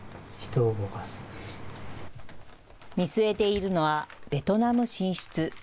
見据えているのは、ベトナム進出。